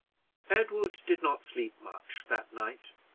Edward did not sleep much that night.